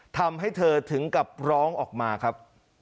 ทำให้เธอถึงกับร้องออกมาครับ